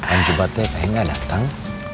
anjur batik saya nggak datang